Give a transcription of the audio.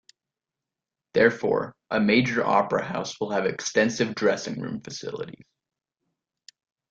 Therefore, a major opera house will have extensive dressing room facilities.